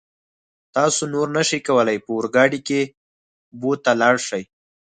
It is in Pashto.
تاسو نور نشئ کولای په اورګاډي کې بو ته لاړ شئ.